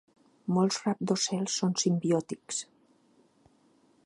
Molts rabdocels són simbiòtics.